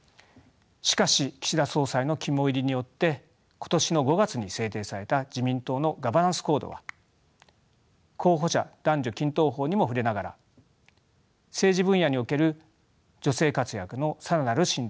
しかし岸田総裁の肝煎りによって今年の５月に制定された自民党のガバナンスコードは候補者男女均等法にも触れながら政治分野における女性活躍の更なる進展を最優先の政治課題と位置づけ